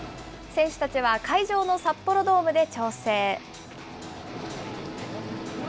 選手たちは会場の札幌ドームで調整。